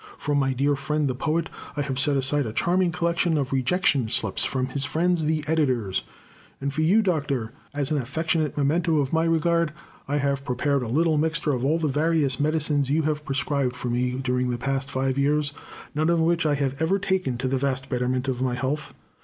For my dear friend, the Poet, I have set aside a charming collection of rejection slips from his friends the editors; and for you, Doctor, as an affectionate memento of my regard, I have prepared a little mixture of all the various medicines you have prescribed for me during the past five years, none of which I have ever taken, to the vast betterment of my health.